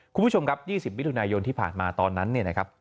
คุณผู้ชมครับ๒๐มิถุนายนที่ผ่านมาตอนนั้นเนี่ยนะครับ